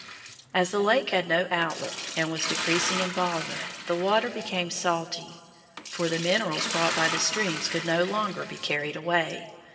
As the lake had no outlet and was decreasing in volume, the water became salty, for the minerals brought by the streams could no longer be carried away.